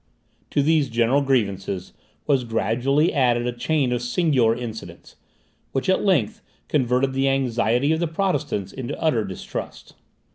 To these general grievances was gradually added a chain of singular incidents, which at length converted the anxiety of the Protestants into utter distrust.